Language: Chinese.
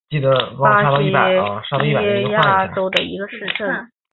伊蒂乌巴是巴西巴伊亚州的一个市镇。